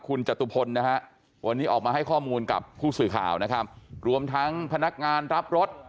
คุณจตุพลนะฮะวันนี้ออกมาให้ข้อมูลกับผู้สื่อข่าวนะครับรวมทั้งพนักงานรับรถ